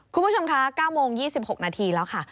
คุณผู้ชมคะ๙โมง๒๖นาทีแล้วค่ะ